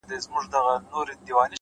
او توري څڼي به دي،